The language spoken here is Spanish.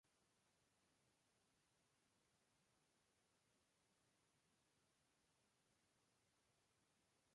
Estas bacterias son Gram negativas y se encuentran en zonas anaerobias de los lagos.